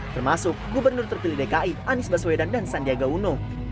termasuk gubernur terpilih dki anies baswedan dan sandiaga uno